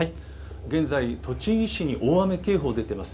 現在栃木市に大雨警報が出ています。